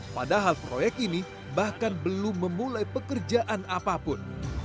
padahal proyek ini bahkan belum memulai pekerjaan apapun